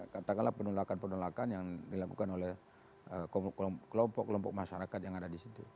katakanlah penolakan penolakan yang dilakukan oleh kelompok kelompok masyarakat yang ada di situ